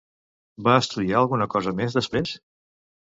Va estudiar alguna cosa més després?